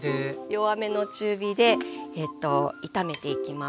弱めの中火で炒めていきます。